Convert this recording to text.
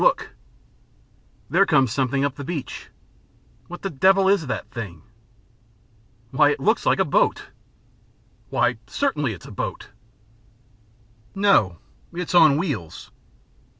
Look!" "There comes something up the beach." "What the devil is that thing?" "Why it looks like a boat." "Why, certainly it's a boat." "No, it's on wheels."